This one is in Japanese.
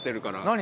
何？